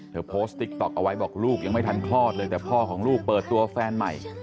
เธอโพสต์ติ๊กต๊อกเอาไว้บอกลูกยังไม่ทันคลอดเลยแต่พ่อของลูกเปิดตัวแฟนใหม่